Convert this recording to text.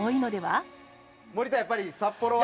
森田やっぱり札幌は。